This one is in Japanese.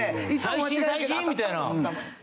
最新最新！みたいな。